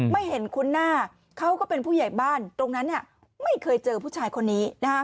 ไม่เห็นคุ้นหน้าเขาก็เป็นผู้ใหญ่บ้านตรงนั้นไม่เคยเจอผู้ชายคนนี้